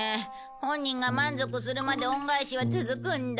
本人が満足するまで恩返しは続くんだ。